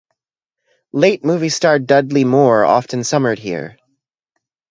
Late movie star Dudley Moore often summered here.